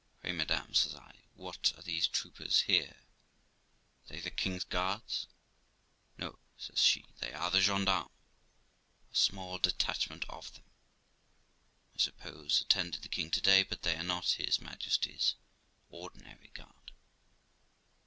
'Pray, madam', says I, 'what are these troopers here? Are they the king's guards ?* 'No', says she; 'they are the gens d'armes; a small detachment of them, I suppose, attended the king to day, but they are not his Majesty's ordinary guard.'